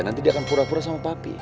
nanti dia akan pura pura sama papi